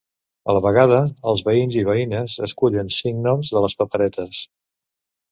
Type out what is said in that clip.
A la vegada, els veïns i veïnes escullen cinc noms de les paperetes.